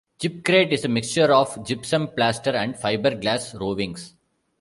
Gypcrete is a mixture of gypsum plaster and fibreglass rovings.